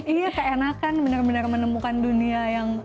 iya keenakan benar benar menemukan dunia yang